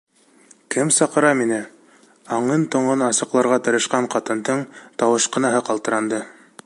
— Кем саҡыра мине? — аңын-тоңон асыҡларға тырышҡан ҡатындың тауышҡынаһы ҡалтыранды.